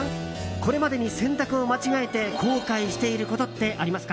これまでに選択を間違えて後悔していることってありますか？